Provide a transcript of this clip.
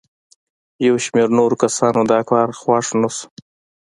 یو شمېر نورو کسانو دا کار خوښ نه شو.